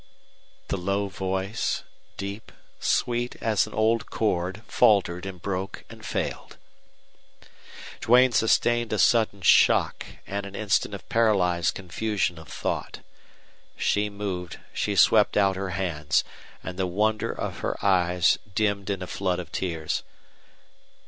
The low voice, deep, sweet as an old chord, faltered and broke and failed. Duane sustained a sudden shock and an instant of paralyzed confusion of thought. She moved, she swept out her hands, and the wonder of her eyes dimmed in a flood of tears.